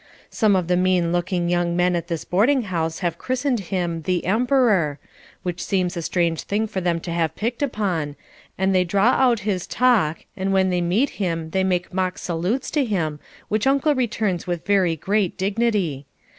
Some of the mean looking young men at this boarding house have christened him "The Emperor" which seems a strange thing for them to have picked upon, and they draw him out in his talk, and when they meet him they make mock salutes to him which Uncle returns with very great dignity.